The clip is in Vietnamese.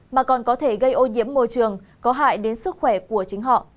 mà còn có thể gây ô nhiễm môi trường có hại đến sức khỏe của chính họ